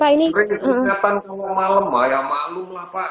sebenarnya beringkatan kalau malam ya maklumlah pak